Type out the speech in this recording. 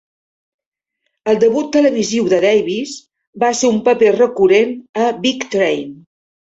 El debut televisiu de Davis va ser un paper recurrent a "Big Train".